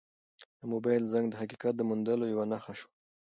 د موبایل زنګ د حقیقت د موندلو یوه نښه شوه.